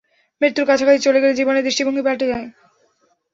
মৃত্যুর কাছাকাছি চলে গেলে জীবনের দৃষ্টিভঙ্গি পাল্টে যায়।